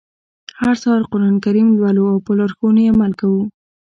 هر سهار قرآن کریم لولو او په لارښوونو يې عمل کوو.